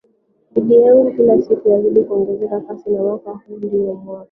bidii yangu kila siku yazidi kuongeza kasi na mwaka huu ndio mwaka